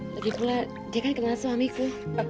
lagipula dia kan kenal suamiku